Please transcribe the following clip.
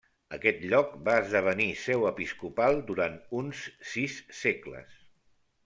Aquest lloc va esdevenir seu episcopal durant uns sis segles.